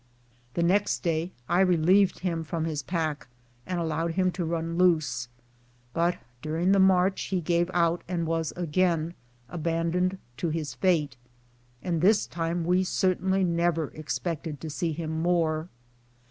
The next day I relieved him from his pack, and allowed him to run loose; but during the march he gave out, and was again abandoned to his fate, and this time we certainly never expected to see him more.